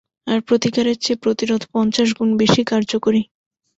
আর প্রতিকারের চেয়ে প্রতিরোধ পঞ্চাশ গুন বেশী কার্যকরী।